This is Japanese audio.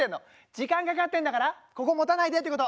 時間かかってんだからここ持たないでってこと。